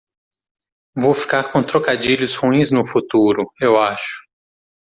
Vou ficar com trocadilhos ruins no futuro?, eu acho.